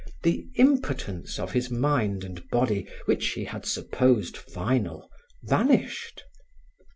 The impotence of his mind and body which he had supposed final, vanished.